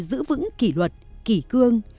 giữ vững kỷ luật kỷ cương